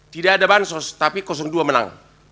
tidak ada bansos tapi dua menang